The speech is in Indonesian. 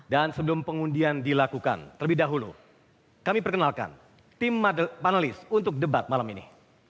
dan sebelum pengundian dilakukan terlebih dahulu kami perkenalkan tim panelis untuk debat malam ini